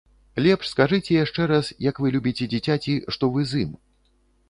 Лепш скажыце яшчэ раз, як вы любіце дзіцяці, што вы з ім.